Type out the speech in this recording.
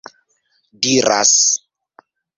diras